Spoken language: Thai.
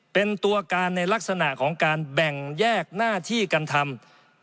เป็นตัวการในลักษณะของการแบ่งแยกหน้าที่กันทำ